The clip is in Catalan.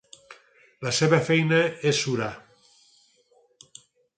La seva feina és surar.